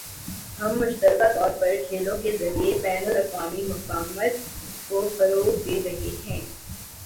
ہم مشترکہ طور پر کھیلوں کے ذریعے بین الاقوامی مفاہمت کو فروغ دے رہے ہیں